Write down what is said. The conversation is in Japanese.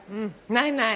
ないない。